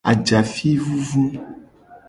Ajafi vuvu.